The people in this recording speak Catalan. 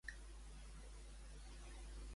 A què es va dedicar la Josepa?